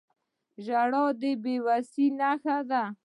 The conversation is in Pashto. • ژړا د بې وسۍ نښه ده.